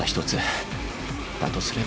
だとすれば。